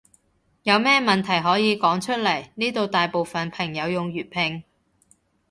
有咩問題可以講出來，呢度大部分朋友用粵拼